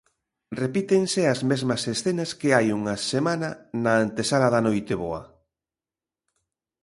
Repítense as mesmas escenas que hai unha semana na antesala da Noiteboa.